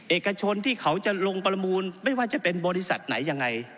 เอกชนที่เขาจะลงประมูลไม่ว่าจะเป็นบริษัทไหนยังไง